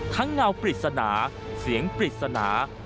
เงาปริศนาเสียงปริศนา